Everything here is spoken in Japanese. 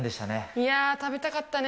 いやー、食べたかったね。